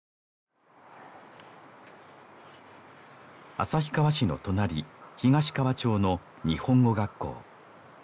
旭川市の隣東川町の日本語学校